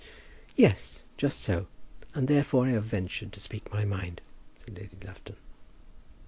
"Yes; just so. And therefore I have ventured to speak my mind," said Lady Lufton.